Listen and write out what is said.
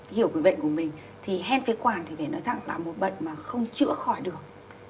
hiểu về bệnh của mình thì hen phế quản thì phải nói thẳng là một bệnh mà không chữa khỏi được